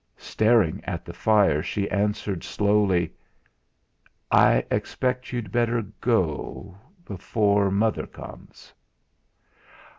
Staring at the fire she answered slowly: "I expect you'd better go before mother comes."